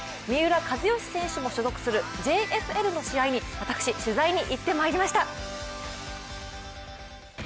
三浦知良選手も所属するＪＦＬの試合に、私、取材に行ってきました。